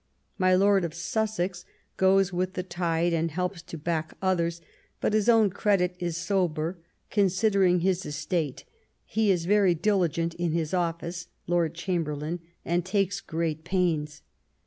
My Lord of Sussex goes with the tide and helps to back others ; but his own credit is sober, considering his estate; he is very diligent in his office (Lord Chamberlain) and takes great pains.